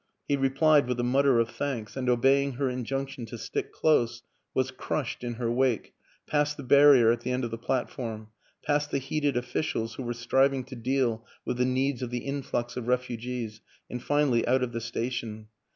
He replied with a mutter of thanks, and, obey ing her injunction to stick close, was crushed, in her wake, past the barrier at the end of the plat form, past the heated officials who were striving to deal with the needs of the influx of refugees, and finally out of the station.